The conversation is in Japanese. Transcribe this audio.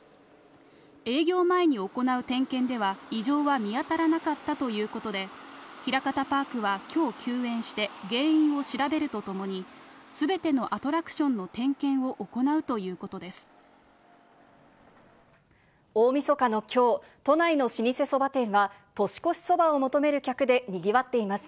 営業前に行う点検では異常は見当たらなかったということで、ひらかたパークはきょう休園して、原因を調べるとともに、すべてのアトラクションの点検を行うということです。